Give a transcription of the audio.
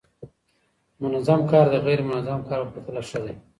منظم کار د غیر منظم کار په پرتله ښه دی.